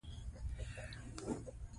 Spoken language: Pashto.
د کار بازار متخصصو کسانو ته اړتیا لري.